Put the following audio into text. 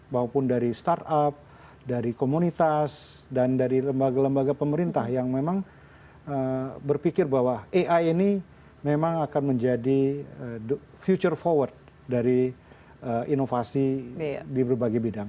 maupun dari startup dari komunitas dan dari lembaga lembaga pemerintah yang memang berpikir bahwa ai ini memang akan menjadi future forward dari inovasi di berbagai bidang